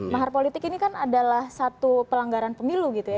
mahar politik ini kan adalah satu pelanggaran pemilu gitu ya